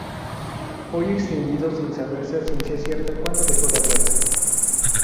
Hoy extinguido sin saberse a ciencia cierta cuando dejó de hablarse.